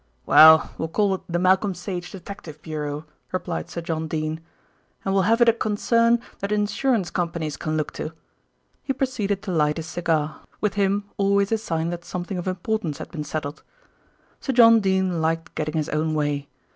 "Well, we'll call it the Malcolm Sage Detective Bureau," replied Sir John Dene, "and we'll have it a concern that insurance companies can look to." He proceeded to light his cigar, with him always a sign that something of importance had been settled. Sir John Dene liked getting his own way.